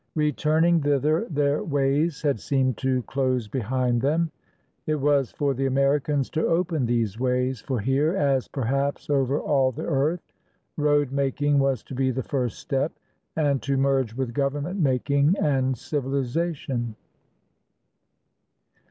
Returning thither, their ways had seemed to close behind them. It was for the Americans to open these ways: for here, as perhaps over all the earth, road making was to be the first step, and to merge with government making and civiHzation.